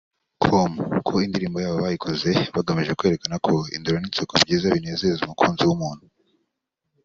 com ko indirimbo yabo bayikoze bagamije kwerekana ko indoro n’inseko byiza binezeza umukunzi w’umuntu